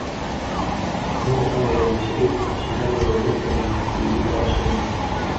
warembo hao walishiriki mashindano ya urembo na kuibuka washindi